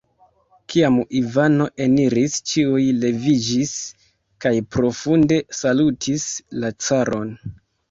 Kiam Ivano eniris, ĉiuj leviĝis kaj profunde salutis la caron.